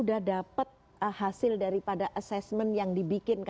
nah waktu jadilah kita buru burukan w abrir pr w